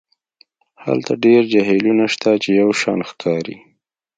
هلته ډیر جهیلونه شته چې یو شان ښکاري